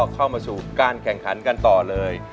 เข้ามาสู่การแข่งขันกันต่อเลย